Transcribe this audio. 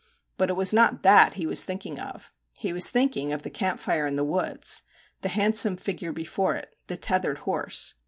But it was not that he was thinking of. He was thinking of the camp fire in the woods, the handsome figure before it the tethered horse.